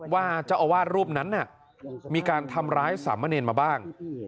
ว่าเจ้าอาวาสรูปนั้นมีการทำร้ายสามเณรมาบ้าง